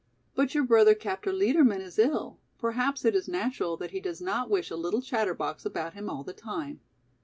"But your brother, Captain Liedermann, is ill, perhaps it is natural that he does not wish a little chatterbox about him all the time.